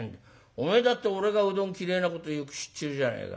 お前だって俺がうどん嫌いなことよく知ってるじゃねえか。